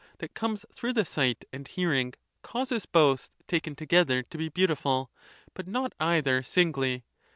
that comes through the sight and hearing, causes both, taken together, to be beautiful; but not either singly.